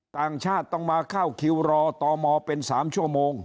ต่างชาติต้องมาเข้าคิวรอตมเป็น๓ชั่วโมง